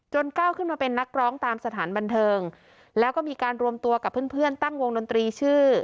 ก้าวขึ้นมาเป็นนักร้องตามสถานบันเทิงแล้วก็มีการรวมตัวกับเพื่อนเพื่อนตั้งวงดนตรีชื่อ